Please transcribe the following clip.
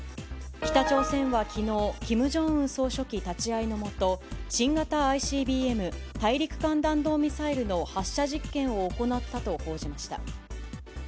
北朝鮮はきのう、キム・ジョンウン総書記立ち会いの下、新型ＩＣＢＭ・大陸間弾道ミサイルの発射実験を行ったと報じました。